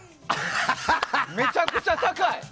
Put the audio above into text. めちゃくちゃ高い。